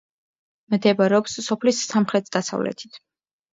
მდებარეობს სოფლის სამხრეთ-დასავლეთით.